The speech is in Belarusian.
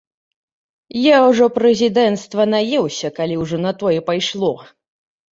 Я ўжо прэзідэнцтва наеўся, калі ўжо на тое пайшло.